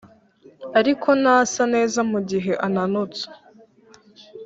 ariko ntasa neza mugihe ananutse